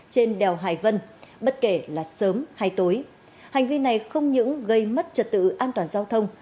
trên đèo hải vân bất kể là sớm hay tối hành vi này không những gây mất trật tự an toàn giao thông